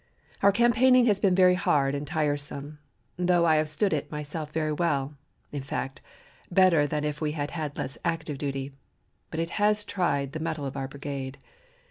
Our campaigning has been very hard and tiresome, though I have stood it myself very well, in fact better than if we had less active duty; but it has tried the mettle of our brigade.